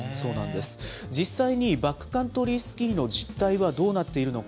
実際にバックカントリースキーの実態はどうなっているのか。